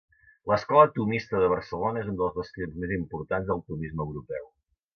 L'Escola tomista de Barcelona és un dels bastions més importants del tomisme europeu.